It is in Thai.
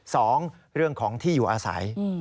สองเรื่องของที่อยู่อาศัย